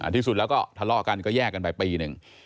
ที่สุดแล้วก็ทะเลาะกันก็แยกกันไปปีหนึ่ง